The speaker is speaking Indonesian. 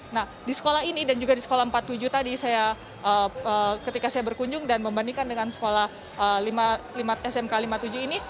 nah di sekolah ini dan juga di sekolah empat puluh tujuh tadi ketika saya berkunjung dan membandingkan dengan sekolah smk lima puluh tujuh ini